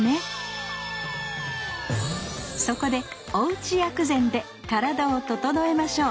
そこでおうち薬膳で体をととのえましょう。